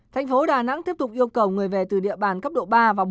thành phố đà nẵng tiếp tục yêu cầu người về từ địa bàn cấp độ ba và bốn